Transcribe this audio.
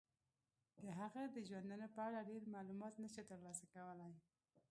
د هغه د ژوندانه په اړه ډیر معلومات نشو تر لاسه کولای.